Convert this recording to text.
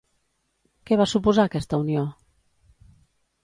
Què va suposar aquesta unió?